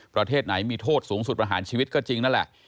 ประเทศไหนมีโทษสูงสุดประหารชีวิตก็จริงนั่นแหละ